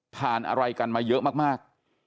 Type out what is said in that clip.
อะไรกันมาเยอะมาก